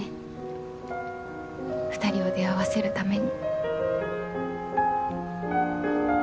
２人を出会わせるために。